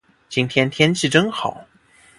今天天气真好。